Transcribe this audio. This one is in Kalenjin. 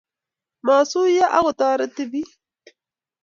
masuiyoo ak kotoretii bik